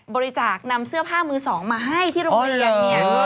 บริจาคนำเสื้อผ้ามือสองมาให้ที่โรงเรียนเนี่ย